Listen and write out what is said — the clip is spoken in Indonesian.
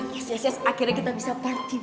yes yes yes akhirnya kita bisa party bareng